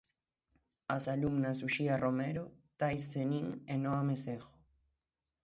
As alumnas Uxía Romero, Tais Senín e Noa Mesejo.